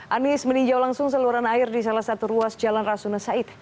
anies meninjau langsung saluran air di salah satu ruas jalan rasuna said